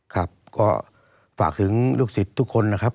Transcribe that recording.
ครับก็ฝากถึงลูกศิษย์ทุกคนนะครับ